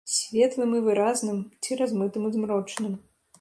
Светлым і выразным ці размытым і змрочным.